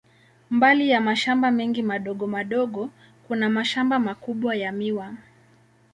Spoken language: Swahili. Mbali ya mashamba mengi madogo madogo, kuna mashamba makubwa ya miwa.